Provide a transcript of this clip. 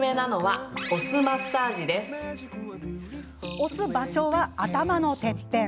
押す場所は頭のてっぺん。